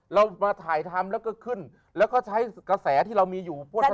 เรามาถ่ายทำแล้วก็ขึ้นแล้วก็ใช้กระแสที่เรามีอยู่